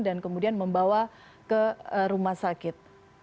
dan kemudian membawa ke rumah sakit